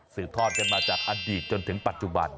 ทอดกันมาจากอดีตจนถึงปัจจุบัน